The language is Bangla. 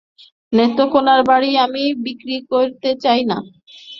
নেত্রকোণার বাড়ি আমি বিক্রি করতে চাই না।